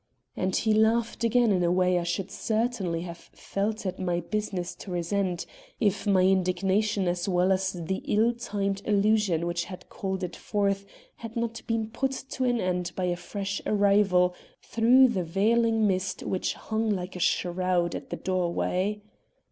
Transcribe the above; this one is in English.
And he laughed again in a way I should certainly have felt it my business to resent, if my indignation as well as the ill timed allusions which had called it forth had not been put to an end by a fresh arrival through the veiling mist which hung like a shroud at the doorway.